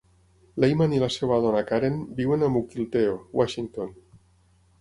L'Eyman i la seva dona Karen viuen a Mukilteo, Washington.